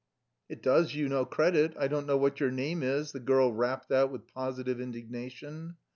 "It does you no credit, I don't know what your name is," the girl rapped out with positive indignation.